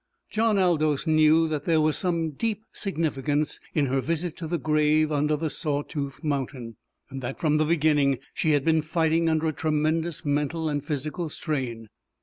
John Aldous knew that there was some deep significance in her visit to the grave under the Saw Tooth Mountain, and that from the beginning she had been fighting under a tremendous mental and physical strain.